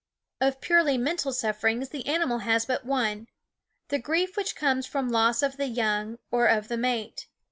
Of purely mental sufferings the animal has but one, the grief which comes from loss of the young or the mate.